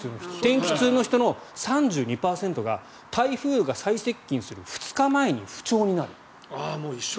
天気痛の人の３２％が台風が最接近する２日前に不調になる。